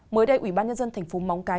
mới đây ủy ban nhân dân thành phố móng cái